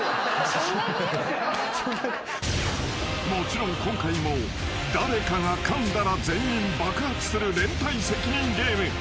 ［もちろん今回も誰かがかんだら全員爆発する連帯責任ゲーム］